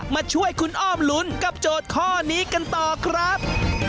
มาช่วยคุณอ้อมลุ้นกับโจทย์ข้อนี้กันต่อครับ